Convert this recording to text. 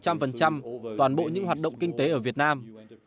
đảm bảo bao phủ một trăm linh toàn bộ những hoạt động kinh tế ở việt nam